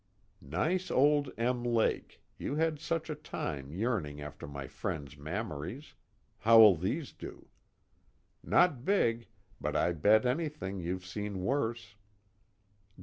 _Nice old Em Lake, you had such a time yearning after my friend's mammaries how will these do? Not big, but I bet anything you've seen worse.